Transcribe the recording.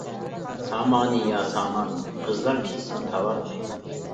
سامانى يا سامانى، قىزلار كىيسۇن تاۋارنى.